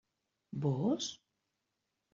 Vós?